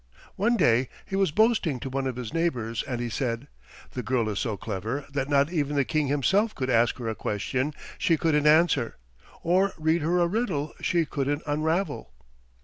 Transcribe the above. One day he was boasting to one of his neighbors, and he said, "The girl is so clever that not even the King himself could ask her a question she couldn't answer, or read her a riddle she couldn't unravel."